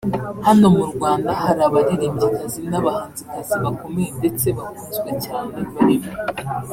Hano mu Rwanda hari abaririmbyikazi n'abahanzikazi bakomeye ndetse bakunzwe cyane barimo